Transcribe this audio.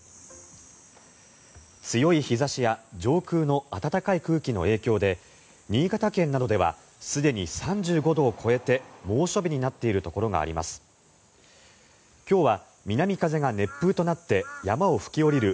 強い日差しや上空の暖かい空気の影響で新潟県などではすでに３５度を超えて猛暑日になっているところがあります。